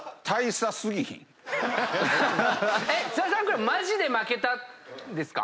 これマジで負けたんですか？